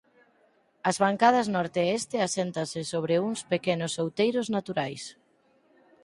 As bancadas norte e este aséntanse sobre uns pequenos outeiros naturais.